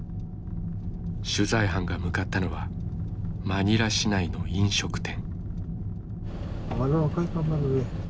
取材班が向かったのはマニラ市内の飲食店。